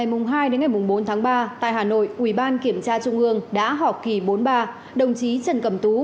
từ ngày hai đến ngày bốn tháng ba tại hà nội ubkt đã họp kỳ bốn ba đồng chí trần cầm tú